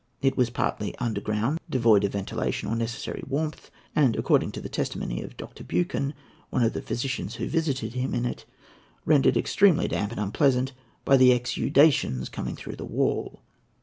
It was partly underground, devoid of ventilation or necessary warmth, and, according to the testimony of Dr. Buchan, one of the physicians who visited him in it, "rendered extremely damp and unpleasant by the exudations coming through the wall."